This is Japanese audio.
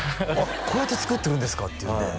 こうやって作ってるんですかっていうね